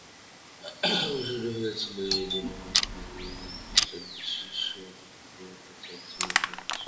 আমার সুযোগ হয়েছিল এই যে, ব্রহ্মবান্ধব এবং তাঁর খৃস্টান শিষ্য রেবাচাঁদ ছিলেন সন্ন্যাসী।